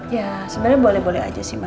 ya sebenarnya boleh boleh aja sih mbak